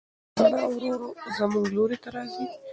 رڼا ورو ورو زموږ لوري ته راځي.